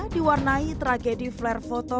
diwarnai tragedi verdi sambo